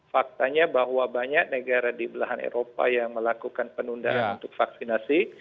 faktanya bahwa banyak negara di belahan eropa yang melakukan penundaan untuk vaksinasi